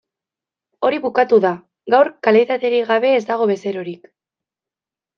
Hori bukatu da, gaur kalitaterik gabe ez dago bezerorik.